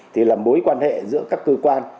thì là mối quan hệ giữa các cơ quan